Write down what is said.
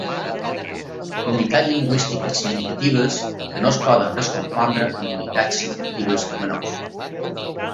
Unitats lingüístiques significatives que no es poden descompondre en unitats significatives menors.